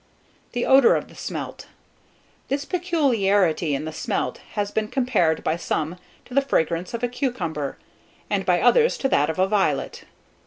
THE ODOUR OF THE SMELT. This peculiarity in the smelt has been compared, by some, to the fragrance of a cucumber, and by others, to that of a violet.